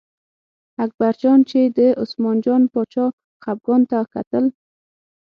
اکبرجان چې د عثمان جان باچا خپګان ته کتل.